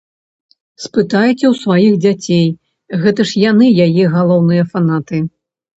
Спытайце ў сваіх дзяцей, гэта ж яны яе галоўныя фанаты!